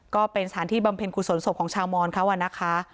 ก็เป็นสถานที่บำเพ็ญกุศลศพของชาวมอนเขานะคะ